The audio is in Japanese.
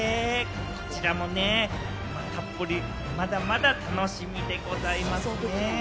こちらもね、たっぷり、まだまだ楽しみでございますね。